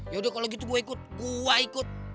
yaudah kalo gitu gua ikut gua ikut